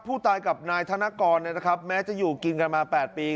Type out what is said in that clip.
ผู้ตายกับนายธนกรแม้จะอยู่กินกันมา๘ปี